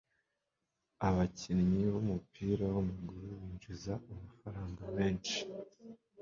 Abakinnyi b'umupira w'amaguru binjiza amafaranga menshi.